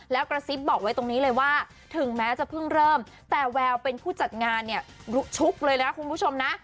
แล้วกระซิบบอกไว้ตรงนี้เลยว่าถึงแม้จะเพิ่งเริ่มแต่แววเป็นผู้จัดงานเนี่ยชุกเลยนะคุณผู้ชมนะ